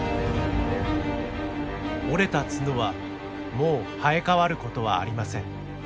折れた角はもう生え変わることはありません。